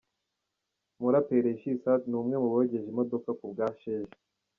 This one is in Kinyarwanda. Umuraperi Regis Hat ni umwe mu bogeje imodoka kubwa Sheja.